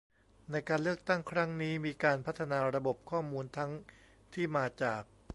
ในการเลือกตั้งครั้งนี้มีการพัฒนาระบบข้อมูลทั้งที่มาจาก